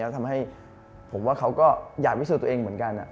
แล้วทำให้ผมว่าเขาก็อยากพิสูจน์ตัวเองเหมือนกัน